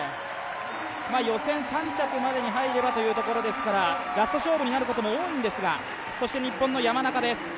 予選３着までに入ればというところですから、ラスト勝負になることも多いんですが日本の山中です。